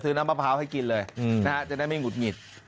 น้ำมะพร้าวให้กินเลยนะฮะจะได้ไม่หุดหงิด